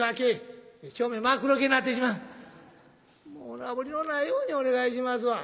おなぶりのないようにお願いしますわ」。